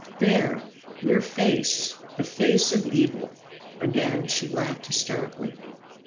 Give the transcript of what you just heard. "There! Your face the face of evil!" Again she laughed hysterically.